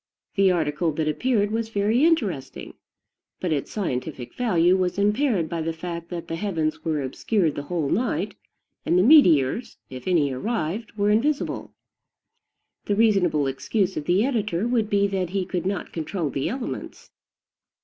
The article that appeared was very interesting; but its scientific value was impaired by the fact that the heavens were obscured the whole night, and the meteors, if any arrived, were invisible. The reasonable excuse of the editor would be that he could not control the elements.